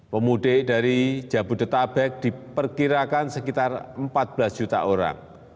pemudik dari jabodetabek diperkirakan sekitar empat belas juta orang